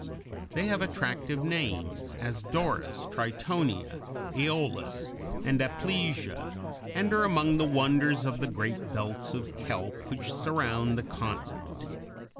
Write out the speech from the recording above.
They have attractive names, as Doris, Tritonia, Æolis, and Aplysia, and are among the wonders of the great belts of kelp which surround the continent.